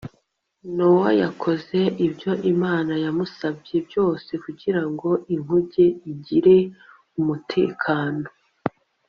nowa yakoze ibyo imana yamusabye byose kugira ngo inkuge igire umutekano